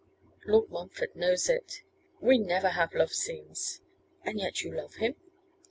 'Lord Montfort knows it. We never have love scenes.' 'And yet you love him?